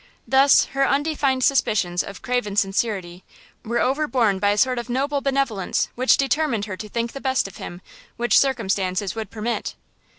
Thus, her undefined suspicions of Craven's sincerity were overborne by a sort of noble benevolence which determined her to think the best of him which circumstances would permit.